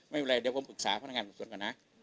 ไม่เป็นไรเดี๋ยวผมปรึกษาพนักงานประกวดก่อนนะ